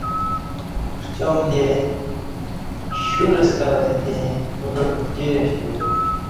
ݜیام جے شور سکہ وےتہ نوتات ابجییاش تیو